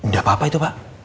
nggak apa apa itu pak